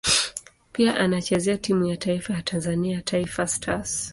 Pia anachezea timu ya taifa ya Tanzania Taifa Stars.